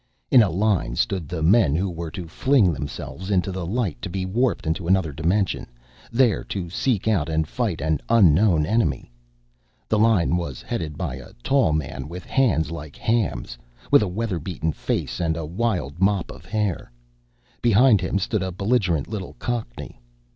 In a line stood the men who were to fling themselves into the light to be warped into another dimension, there to seek out and fight an unknown enemy. The line was headed by a tall man with hands like hams, with a weather beaten face and a wild mop of hair. Behind him stood a belligerent little cockney.